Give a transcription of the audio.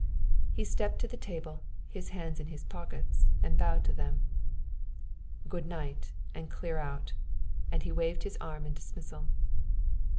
He stepped to the table, his hands in his pockets, and bowed to them. "Good night, and clear out," and he waved his arm in dismissal.